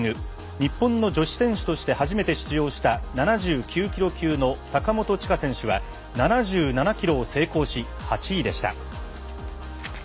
日本の女子選手として初めて出場した７９キロ級の坂元智香選手は７７キロを成功し８位でした。